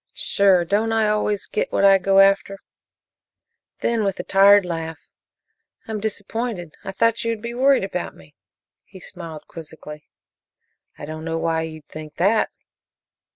"Sure. Don't I always get what I go after?" Then, with a tired laugh, "I'm disappointed; I thought you would be worried about me." He smiled quizzically. "I don't know why you'd think that."